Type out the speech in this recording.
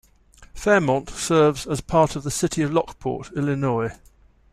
Fairmont serves as part of the City of Lockport, Illinois.